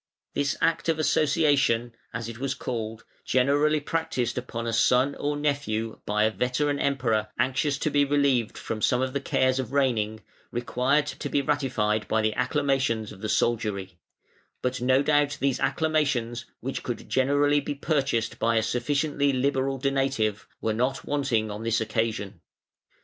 This act of "association" as it was called, generally practised upon a son or nephew by a veteran Emperor anxious to be relieved from some of the cares of reigning, required to be ratified by the acclamations of the soldiery; but no doubt these acclamations, which could generally be purchased by a sufficiently liberal donative, were not wanting on this occasion.